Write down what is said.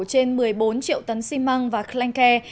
trên một mươi bốn triệu tấn xi măng và clanke